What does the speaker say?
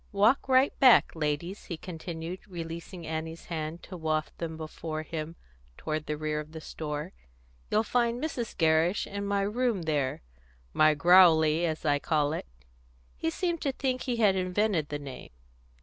Walk right back, ladies," he continued, releasing Annie's hand to waft them before him toward the rear of the store. "You'll find Mrs. Gerrish in my room there my Growlery, as I call it." He seemed to think he had invented the name.